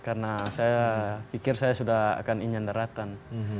karena saya pikir saya sudah akan ingin daratan